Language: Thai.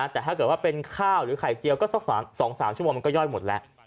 แต่ถ้าเกิดว่าเป็นข้าวหรือไข่เจียวก็สัก๒๓ชั่วโมงมันก็ย่อยหมดแล้ว